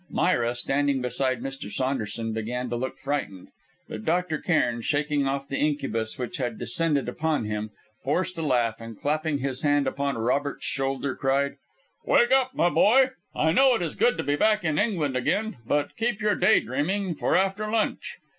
Myra, standing beside Mr. Saunderson, began to look frightened. But Dr. Cairn, shaking off the incubus which had descended upon him, forced a laugh, and clapping his hand upon Robert's shoulder cried: "Wake up, my boy! I know it is good to be back in England again, but keep your day dreaming for after lunch!"